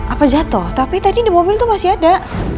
apa jatoh tapi tadi di mobil tuh masih ada